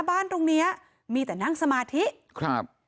ตรงเนี้ยมีแต่นั่งสมาธิครับ